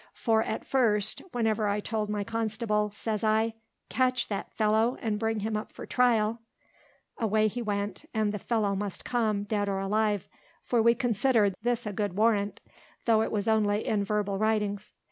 For, at first, whenever I told my constable, says I "Catch that fellow, and bring him up for trial" away he went, and the fellow must come, dead or alive; for we considered this a good warrant, though it was only in verbal writings.